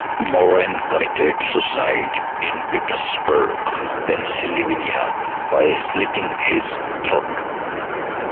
Moren committed suicide in Pittsburgh, Pennsylvania by slitting his throat.